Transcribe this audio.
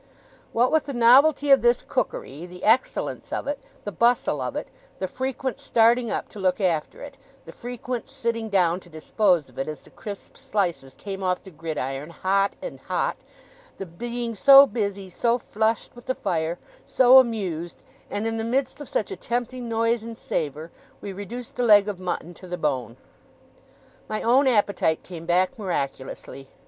What with the novelty of this cookery, the excellence of it, the bustle of it, the frequent starting up to look after it, the frequent sitting down to dispose of it as the crisp slices came off the gridiron hot and hot, the being so busy, so flushed with the fire, so amused, and in the midst of such a tempting noise and savour, we reduced the leg of mutton to the bone. My own appetite came back miraculously.